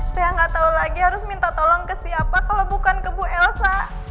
saya nggak tahu lagi harus minta tolong ke siapa kalau bukan ke bu elsa